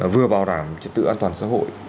vừa bảo đảm trật tự an toàn xã hội